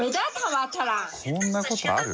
こんなことある？